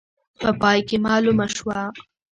په پای کې معلومه شول.